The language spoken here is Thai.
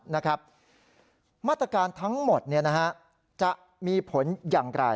มาตรการทั้งหมดจะมีผลอย่างไร